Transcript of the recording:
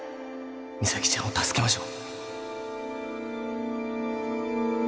実咲ちゃんを助けましょう